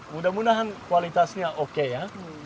mudah mudahan kualitasnya oke ya